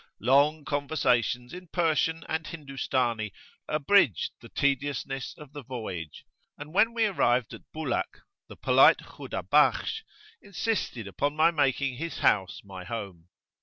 [FN#7] Long conversations in Persian and Hindustani abridged the tediousness of the voyage, and when we arrived at Bulak, the polite Khudabakhsh insisted upon my making his house my home.